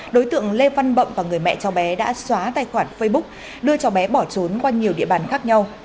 đối tượng lê văn bậm và người mẹ cháu bé đã xóa tài khoản facebook đưa cháu bé bỏ trốn qua nhiều địa bàn khác nhau